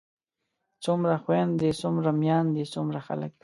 څومره خويندے څومره ميايندے څومره خلک